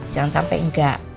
jangan sampai enggak